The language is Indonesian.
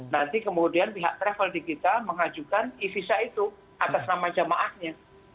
nanti kemudian pihak travel di kita mengajukan e visa itu atas nama jamaahnya